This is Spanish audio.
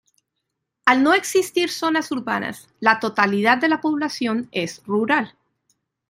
Al no existir zonas urbanas, la totalidad de la población es rural.